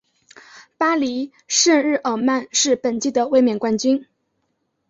巴黎圣日耳曼是本届的卫冕冠军。